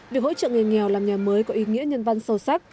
việc hỗ trợ người nghèo làm nhà mới có ý nghĩa nhân văn sâu sắc